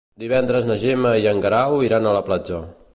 Divendres na Gemma i en Guerau iran a la platja.